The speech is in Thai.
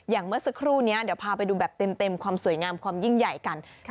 เมื่อสักครู่นี้เดี๋ยวพาไปดูแบบเต็มความสวยงามความยิ่งใหญ่กัน